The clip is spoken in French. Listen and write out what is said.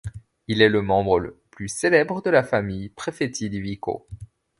Il est le membre le plus célèbre de la famille ‘’Prefetti di Vico’’.